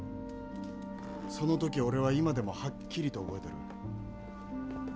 その時を俺は今でもはっきりと覚えてる。